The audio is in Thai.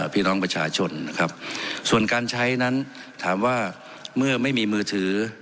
พี่น้องประชาชนนะครับส่วนการใช้นั้นถามว่าเมื่อไม่มีมือถือ